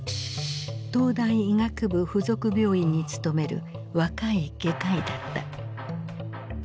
東大医学部附属病院に勤める若い外科医だった。